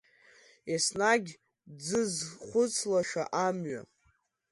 Еснагь дзызхәыцлаша амҩа.